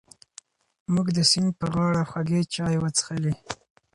موږ د سیند په غاړه خوږې چای وڅښلې.